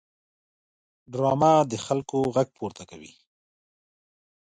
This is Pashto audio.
ډرامه د خلکو غږ پورته کوي